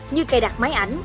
như cài đặt máy ảnh